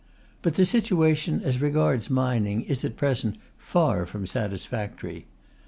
But the situation as regards mining is at present far from satisfactory.